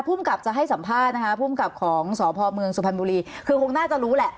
ภูมิกับจะให้สัมภาษณ์นะคะภูมิกับของสพเมืองสุพรรณบุรีคือคงน่าจะรู้แหละ